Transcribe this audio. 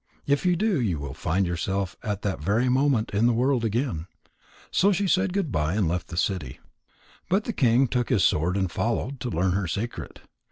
If you do, you will find yourself at that very moment in the world again." So she said good bye and left the city. But the king took his sword and followed, to learn her secret.